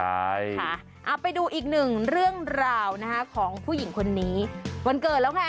ใช่ค่ะเอาไปดูอีกหนึ่งเรื่องราวนะคะของผู้หญิงคนนี้วันเกิดแล้วไง